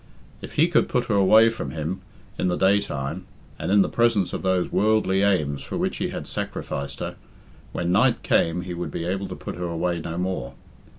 If he could put her away from him in the daytime, and in the presence of those worldly aims for which he had sacrificed her, when night came he would be able to put her away no more.